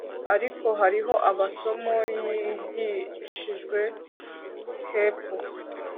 Ariko hariho amasomo yigishijwe hepfo